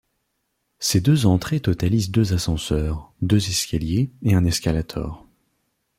Ses deux entrées totalisent deux ascenseurs, deux escaliers et un escalator.